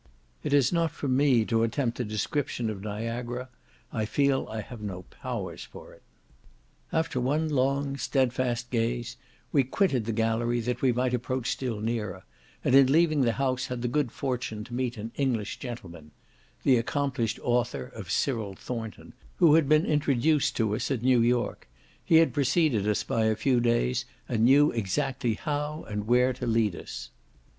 It is not for me to attempt a description of Niagara; I feel I have no powers for it. After one long, stedfast gaze, we quitted the gallery that we might approach still nearer, and in leaving the house had the good fortune to meet an English gentleman, who had been introduced to us at New York; he had preceded us by a few days, and knew exactly how and where to lead us.